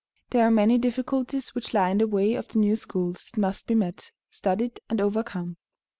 There are many difficulties which lie in the way of the new schools that must be met, studied, and overcome.